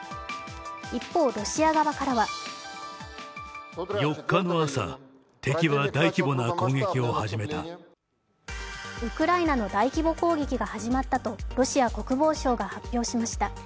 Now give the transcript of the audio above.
一方、ロシア側からはウクライナの大規模攻撃が始まったとロシア国防省が発表しました。